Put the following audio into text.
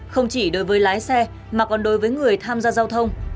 không chỉ đối với lái xe mà còn đối với người tham gia giao thông